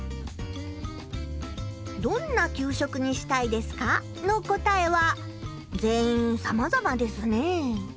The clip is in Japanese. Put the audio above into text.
「どんな給食にしたいですか？」の答えは全員さまざまですねえ。